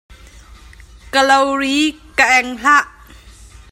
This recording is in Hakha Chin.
Ka lo ri ka eng hlah.